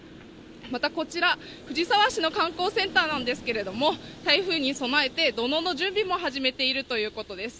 またこちら藤沢市の観光センターなんですけれども台風に備えて土のうの準備も始めているということです